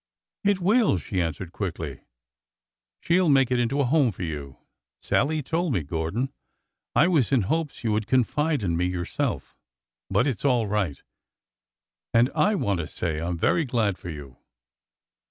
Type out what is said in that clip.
It will," she answered quickly. '' She 'll make it into a home for you. Sallie told me, Gordon. I was in hopes you would confide in me yourself, but — it 's all right. And— I— want to say that I am very glad for you."